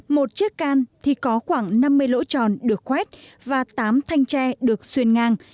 một chiếc can thì có khoảng năm mươi lỗ tròn được khoét và tám thanh tre được xuyên ngang